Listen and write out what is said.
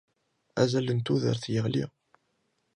Azal n tudert yeɣli.